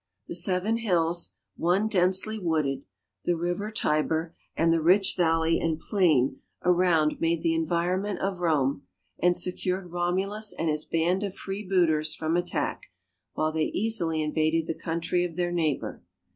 The Seven Hills, one densely wooded, the river Tiber, and the rich valley and plain around made the environment of Rome, and secured Romulus and his band of freebooters from attack, while they easily invaded the country of their neighbor.